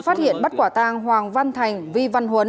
phát hiện bắt quả tang hoàng văn thành